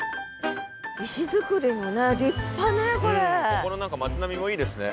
ここの何か町並みもいいですね。